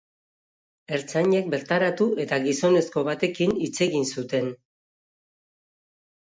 Ertzainek bertaratu eta gizonezko batekin hitz egin zuten.